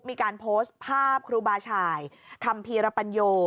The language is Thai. มีการโพสต์ภาพครูบาชายคัมภีรปัญโย